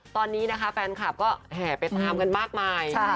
ตอนนี้แฟนคลับก็แหไปตามมากมาย